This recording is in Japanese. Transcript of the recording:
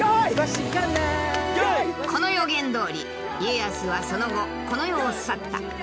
この予言どおり家康はその後この世を去った。